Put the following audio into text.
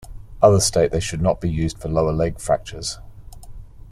Others state they should not be used for lower leg fractures.